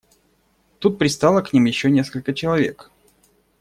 Тут пристало к ним еще несколько человек.